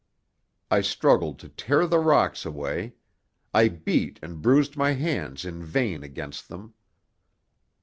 I struggled to tear the rocks away; I beat and bruised my hands in vain against them.